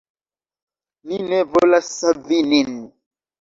Ni ne volas savi nin.